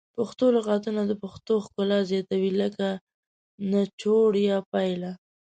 پښتو لغتونه د پښتو ښکلا زیاتوي لکه نچوړ یا پایله